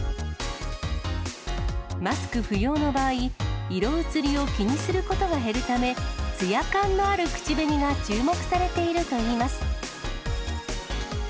マスク不要の場合、色移りを気にすることが減るため、つや感のある口紅が注目されているといいます。